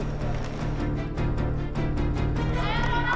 tadi gue kena apa sih